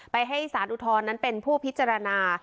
ไปให้สารนั้นเป็นผู้พิจารณา